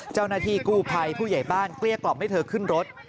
เจ้าหน้าที่กู้ภัยผู้ใหญ่บ้านเกลี้ยกล่อมให้เธอขึ้นรถ